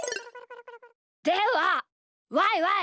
ではワイワイ！